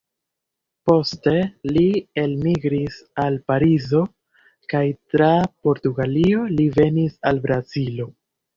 Poste li elmigris al Parizo kaj tra Portugalio li venis al Brazilo.